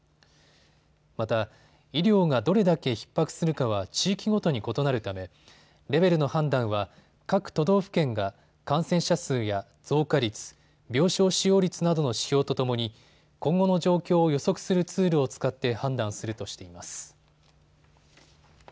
また医療がどれだけひっ迫するかは地域ごとに異なるためレベルの判断は各都道府県が感染者数や増加率、病床使用率などの指標とともに今後の状況を予測するツールを使って判断するとしています。